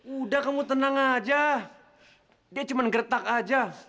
udah kamu tenang aja dia cuma gertak aja